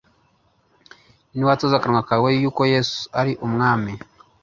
Niwatuza akanwa kawe yuko Yesu ari Umwami,